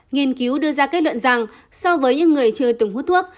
nghiên cứu đưa ra kết luận rằng so với những người chưa từng hút thuốc